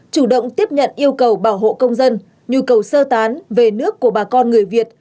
chủ động tiếp nhận yêu cầu bảo hộ công dân nhu cầu sơ tán về nước của bà con người việt